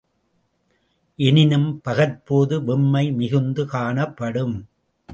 எனினும் பகற்போது வெம்மை மிகுந்து காணப்படும்.